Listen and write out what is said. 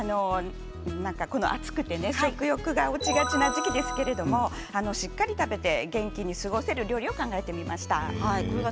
暑くて食欲が落ちがちな時期ですけれども、しっかり食べて元気に過ごせる料理を考えてみました。